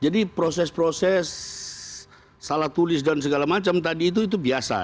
jadi proses proses salah tulis dan segala macam tadi itu biasa